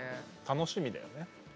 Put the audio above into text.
楽しみだよね。